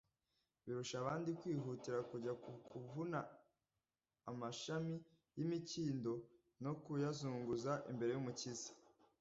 birusha abandi kwihutira kujya kuvuna amashami y'imikindo no kuyazunguza imbere y'Umukiza.